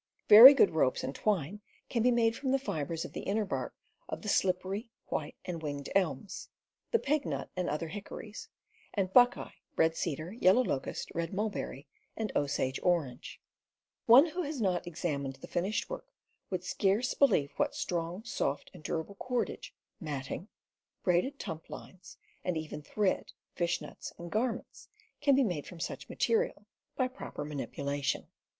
Very good ropes and ^ rT^ r twine can be made from the fibers of an win .^^^ inner bark of the slippery, white, and winged elms, the pignut and other hickories, and buckeye, red cedar, yellow locust, red mulberry, and Osage orange. One who has not examined the fin ished work would scarce believe what strong, soft, and durable cordage, matting, braided tumplines, and even thread, fish nets, and garments can be made from such materials by proper manipulation.